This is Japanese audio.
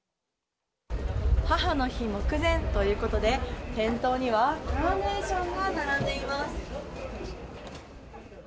母の日目前ということで店頭には、カーネーションが並んでいます。